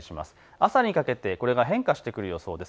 朝にかけて、これが変化してくる予想です。